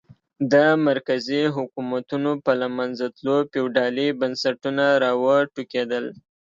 د مرکزي حکومتونو په له منځه تلو فیوډالي بنسټونه را وټوکېدل.